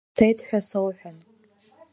Сцеит ҳәа соуҳәан…